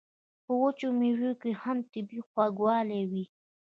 په وچو میوو کې هم طبیعي خوږوالی وي.